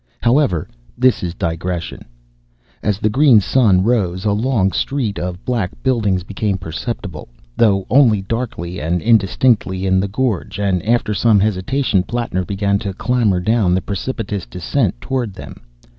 However, this is a digression. As the green sun rose, a long street of black buildings became perceptible, though only darkly and indistinctly, in the gorge, and after some hesitation, Plattner began to clamber down the precipitous descent towards them.